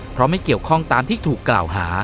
เพราะไม่เกี่ยวข้องตามที่ถูกกล่าวหา